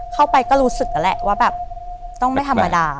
เข้าไปก็รู้สึกแล้วแหละว่าแบบต้องไม่ธรรมดา